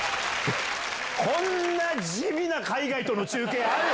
こんな地味な海外との中継ある？